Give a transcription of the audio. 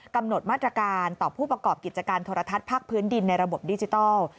กำหนดมาตรการต่อผู้ประกอบกิจการโทรทัศน์ภาคพื้นดินในระบบดิจิทัล